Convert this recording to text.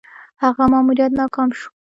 هغه ماموریت ناکام شو.